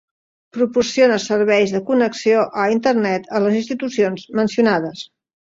Proporciona serveis de connexió a Internet a les institucions mencionades.